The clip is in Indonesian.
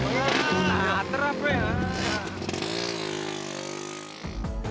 ya telat terap ya